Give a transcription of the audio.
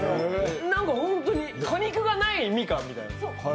ホントに果肉がないみかんみたいな。